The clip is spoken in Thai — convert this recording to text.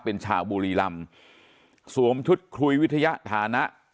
เป็นชาวบุรีรำสวมชุดคุยวิทยาฐานะ